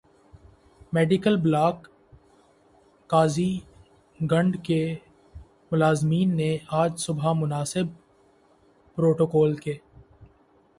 medical block Qazigund کے ملازمین نے آج صبح مناسب پروٹوکول ک